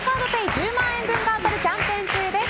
１０万円分が当たるキャンペーン中です。